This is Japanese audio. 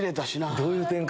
どういう展開